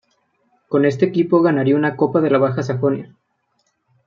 Con este equipo ganaría una Copa de la Baja Sajonia.